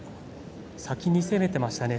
先に攻めていましたね。